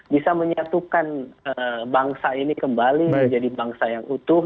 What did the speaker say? bisa menyatukan bangsa ini kembali menjadi bangsa yang utuh